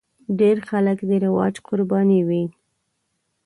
ډېر خلک د رواج قرباني وي.